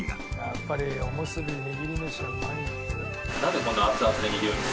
やっぱりおむすび握り飯はうまい。